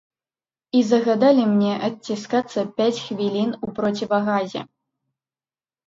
І загадалі мне адціскацца пяць хвілін у процівагазе.